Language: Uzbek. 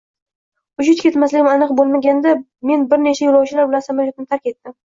Uchish -ketmasligim aniq bo'lmaganda, men bir nechta yo'lovchilar bilan samolyotni tark etdim